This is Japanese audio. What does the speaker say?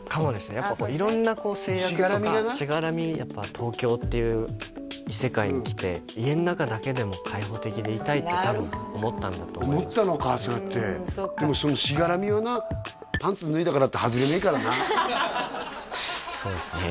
やっぱこう色んな制約とかしがらみやっぱ東京っていう異世界に来てって多分思ったんだと思います思ったのかそうやってでもそのしがらみはなパンツ脱いだからって外れねえからなそうですね